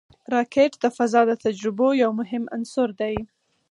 راکټ د فضا د تجربو یو مهم عنصر دی